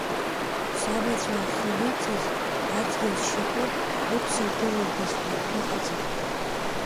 Сабацәа ахьаныҵыз адгьыл сшьапы нықәсыргыландаз ҳәа шәыҟаӡами?